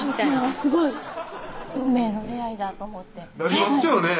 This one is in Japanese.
すごい運命の出会いだと思ってなりますよね